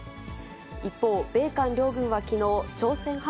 一方、米韓両軍はきのう、朝鮮半